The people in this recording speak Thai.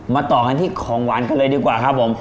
ต่อกันที่ของหวานกันเลยดีกว่าครับผม